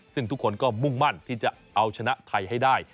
ซึ่งทุกคนก็มุ่งมั่นที่จะเอาชนะไทยให้ได้